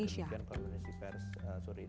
terima kasih atas pertanyaan ini